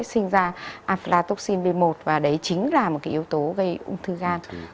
sinh ra aflatocin b một và đấy chính là một cái yếu tố gây ung thư gan